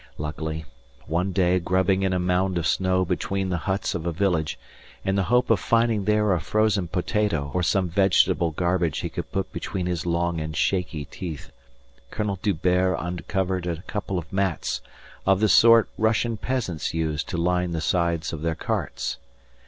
Luckily, one day grubbing in a mound of snow between the huts of a village in the hope of finding there a frozen potato or some vegetable garbage he could put between his long and shaky teeth, Colonel D'Hubert uncovered a couple of mats of the sort Russian peasants use to line the sides of their carts.